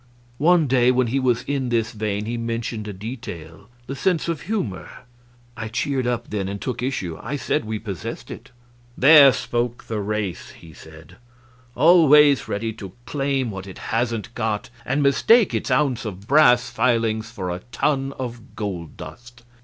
One day when he was in this vein he mentioned a detail the sense of humor. I cheered up then, and took issue. I said we possessed it. "There spoke the race!" he said; "always ready to claim what it hasn't got, and mistake its ounce of brass filings for a ton of gold dust.